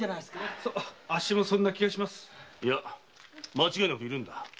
間違いなくいるんだ。